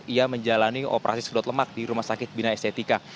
ia menjalani operasi sedot lemak di rumah sakit bina estetika